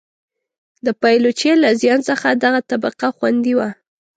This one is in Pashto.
د پایلوچۍ له زیان څخه دغه طبقه خوندي وه.